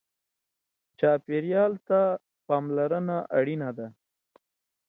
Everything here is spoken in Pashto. چاپېریال ته پاملرنه اړینه ده.